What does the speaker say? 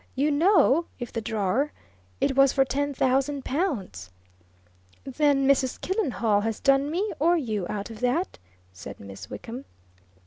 "You know if the drawer! It was for ten thousand pounds!" "Then Mrs. Killenhall has done me, or you, out of that," said Miss Wickham.